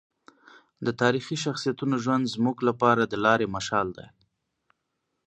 د تاریخي شخصیتونو ژوند زموږ لپاره د لارې مشال دی.